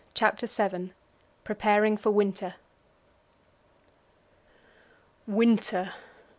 CHAPTER VII Preparing for Winter Winter!